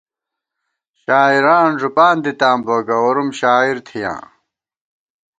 شاعران ݫُپان دِتاں بہ ، گوَرُوم شاعر تھِیاں